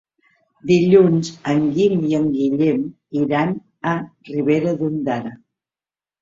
Dilluns en Guim i en Guillem iran a Ribera d'Ondara.